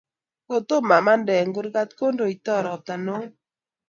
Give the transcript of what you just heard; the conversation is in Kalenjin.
kotomo amanda eng kurgat kondo toiy ropta neo